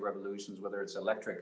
revolusi teknologi apakah itu elektrik